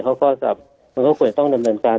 เขาก็ควรจะต้องดำเนินกาล